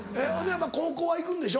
高校はいくんでしょ？